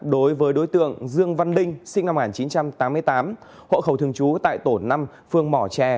đối với đối tượng dương văn linh sinh năm một nghìn chín trăm tám mươi tám hộ khẩu thường trú tại tổ năm phường mỏ tre